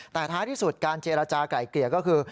แต่ท้ายที่สุดการเจรจาก่ายเกลี่ยก็คือ